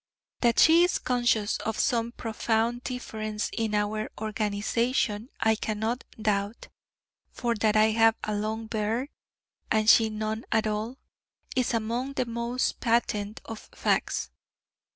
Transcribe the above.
That she is conscious of some profound difference in our organisation I cannot doubt: for that I have a long beard, and she none at all, is among the most patent of facts.